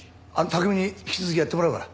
拓海に引き続きやってもらうから。